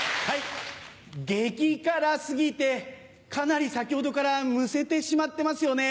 激辛過ぎてかなり先ほどからむせてしまってますよね。